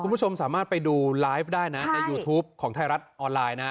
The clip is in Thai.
คุณผู้ชมสามารถไปดูไลฟ์ได้นะในยูทูปของไทยรัฐออนไลน์นะ